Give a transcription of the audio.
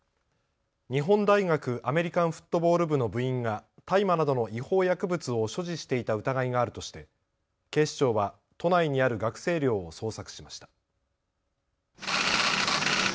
日本大学アメリカンフットボール部の部員が大麻などの違法薬物を所持していた疑いがあるとして警視庁は都内にある学生寮を捜索しました。